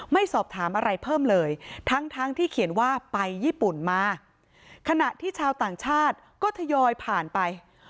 ไม่สอบถามอะไรเพิ่มเลยทั้งที่เขียนว่าไปญี่ปุ่นมา